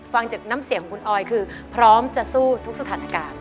ฟังจากน้ำเสียงของคุณออยคือพร้อมจะสู้ทุกสถานการณ์